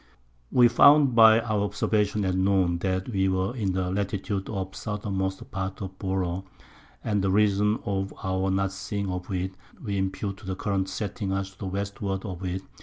We found by our Observation at Noon, that we were in the Latitude of the Southermost part of Bouro, and the Reason of our not seeing of it we impute to the Current's setting us to the Westward of it.